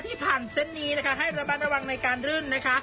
ที่ผ่านเส้นนี้นะคะให้ระมัดระวังในการรื่นนะคะ